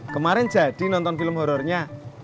kemarin jadi nonton film horrornya